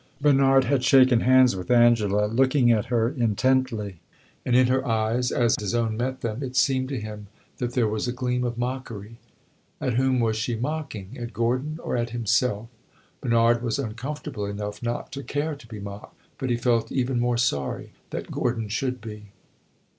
Bernard had shaken hands with Angela, looking at her intently; and in her eyes, as his own met them, it seemed to him that there was a gleam of mockery. At whom was she mocking at Gordon, or at himself? Bernard was uncomfortable enough not to care to be mocked; but he felt even more sorry that Gordon should be.